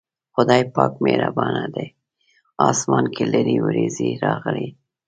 خدای پاک مهربانه دی، اسمان کې لږې وريځې راغلې.